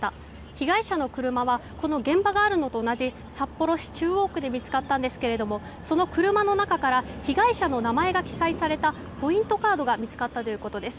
被害者の車は現場があるのと同じ札幌市中央区で見つかったんですけどもその車の中から被害者の名前が記載されたポイントカードが見つかったということです。